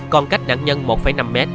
còn cách nạn nhân một năm m